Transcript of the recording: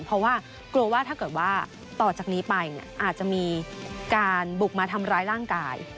เพราะว่ากลัวว่าถ้าเกิดว่าต่อจากนี้ไปอาจจะมีการบุกมาทำร้ายร่างกาย